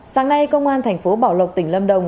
sáng nay công an thành phố bảo lộc tỉnh lâm đồng